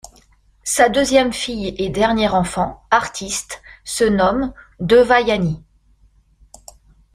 Sa deuxième fille et dernier enfant, artiste, se nomme Devayani.